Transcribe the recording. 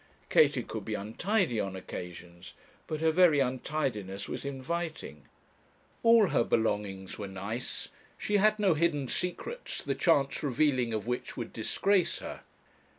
Katie could be untidy on occasions; but her very untidiness was inviting. All her belongings were nice; she had no hidden secrets, the chance revealing of which would disgrace her.